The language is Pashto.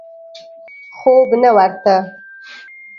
خوب نه ورته.